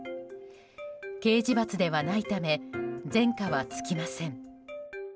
刑事罰ではないため前科は付きません。